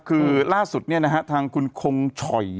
คือล่าสุดเนี่ยนะฮะทางคุณคงช่อย